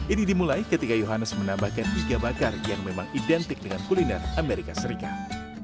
ini dimulai ketika yohanes menambahkan iga bakar yang memang identik dengan kuliner amerika serikat